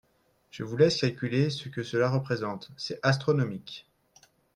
Je vous laisse calculer ce que cela représente, c’est astronomique